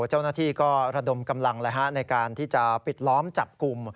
เจ้าหน้าที่ก็ระดมกำลังในการที่จะปิดล้อมจับกลุ่ม